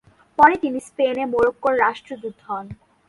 পরে তিনি স্পেনে মরোক্কোর রাষ্ট্রদূত হন।